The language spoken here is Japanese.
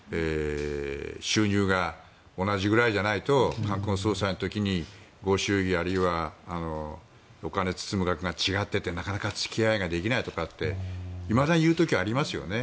収入が同じくらいじゃないと冠婚葬祭の時にご祝儀あるいはお金を包む額が違っていてなかなか付き合いができないっていまだに言う時ありますよね。